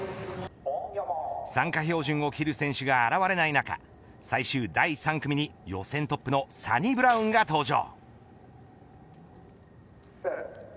参加標準を切る選手が現れない中最終第３組に予選トップのサニブラウンが登場。